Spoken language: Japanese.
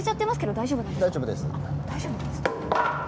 大丈夫です。